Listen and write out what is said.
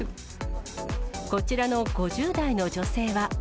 こちらの５０代の女性は。